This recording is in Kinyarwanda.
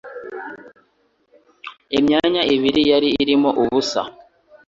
Imyanya ibiri yari irimo ubusa.